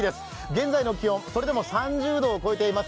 現在の気温、それでも３０度を超えています